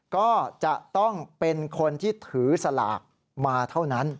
ก็จะต้องเป็นคนที่ถือสลากมาเท่านั้น